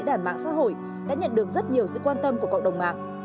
các mạng xã hội đã nhận được rất nhiều sự quan tâm của cộng đồng mạng